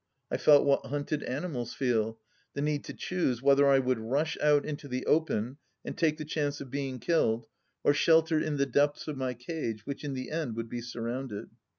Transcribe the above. I felt what hxmted animals feel : the need to choose whether I would rush out into the open and take the chance of being killed, or shelter in the depths of my cage which in the end would be surrounded.